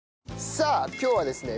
さあ今日はですね